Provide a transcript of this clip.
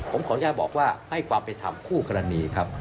ผมขอแยกบอกว่าให้ความไปทำคู่กรณีครับ